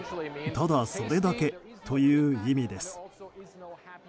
ただそれだけ」という意味です。